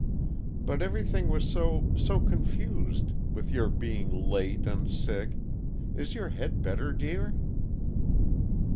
"But everything was so so confused, with your being late, and sick is your head better, dear?"